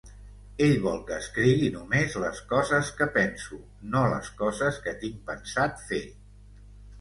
Ell vol que escrigui només les coses que penso, no les coses que tinc pensat fer.